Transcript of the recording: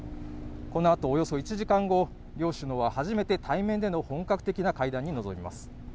このあと、およそ１時間後、両首脳は初めて対面での本格的な会談に臨みます。